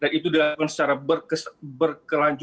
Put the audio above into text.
dan itu dalam secara berkelanjutan dan itu sudah berjalan